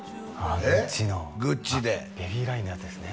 グッチのグッチでベビーラインのやつですね